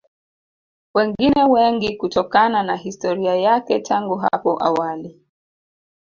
Wengine wengi kutokana na historia yake tangu hapo awali